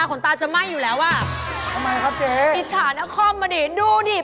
โอ๊ยตุลาเจ๊ก็ไปแล้วนี่